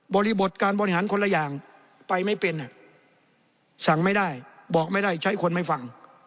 บริบทการบริหารคนละอย่างไปไม่เป็นสั่งไม่ได้บอกไม่ได้ใช้คนไม่ฟัง